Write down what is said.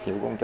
nhiều công ty